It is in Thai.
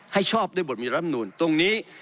ชอบด้วยบทมีรำนูนตรงนี้